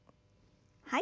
はい。